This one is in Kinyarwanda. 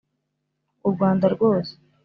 u rwanda rwose,